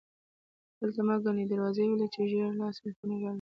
دلته مې ګڼې دروازې ولیدې چې ژېړ لاسي مېخونه یې لرل.